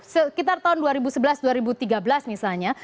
sekitar tahun dua ribu sebelas dua ribu tiga belas misalnya